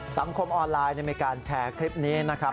สังคมออนไลน์มีการแชร์คลิปนี้นะครับ